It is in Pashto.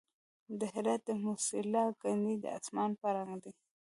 د هرات د موسیلا ګنبد د اسمان په رنګ دی